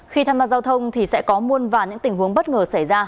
khi tham gia giao thông thì sẽ có muôn vàn những tình huống bất ngờ xảy ra